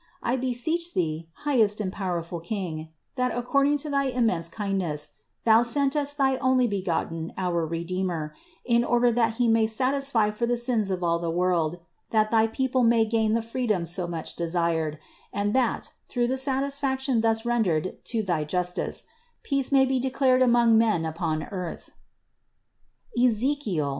I be seech Thee, highest and powerful King, that according to thy immense kindness Thou send us thy Onlybegotten our Redeemer, in order that He may satisfy for the sins of all the world, that thy people may gain the freedom so much desired, and that, through the satisfaction thus rendered to thy justice, peace may be declared among men upon (Ezech.